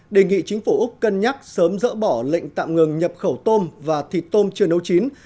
đề nghị chính phủ úc cân nhắc sớm dỡ bỏ lệnh tạm ngừng nhập khẩu tôm và thịt tôm chưa nấu chín